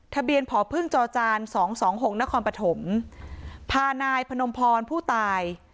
ทะเบียนพอพึ่งจอจาน๒๒๖ณคอมปะถมพานายพนมพรผู้ตาย